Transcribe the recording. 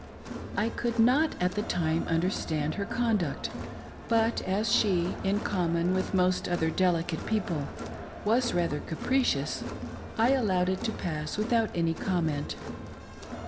419 I could not at the time understand her conduct, but as she, in common with most other delicate people, was rather capricious, I allowed it to pass without any comment.